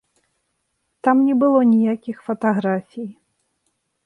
Там не было ніякіх фатаграфій.